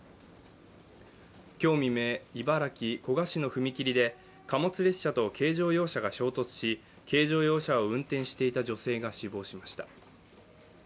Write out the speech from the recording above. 今日未明、茨城・古河市の踏切で貨物列車と軽乗用車が衝突し軽乗用車を運転していた女性が死亡しました。